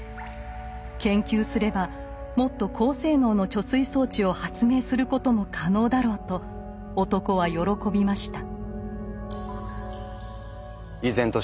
研究すればもっと高性能の貯水装置を発明することも可能だろうと男は喜びました。